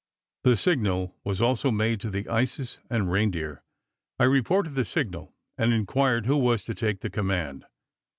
The signal was also made to the Isis and Reindeer. I reported the signal, and inquired who was to take the command.